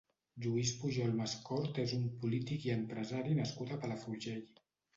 Lluís Pujol Mascort és un polític i empresari nascut a Palafrugell.